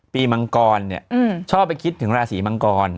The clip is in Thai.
มังกรเนี่ยชอบไปคิดถึงราศีมังกร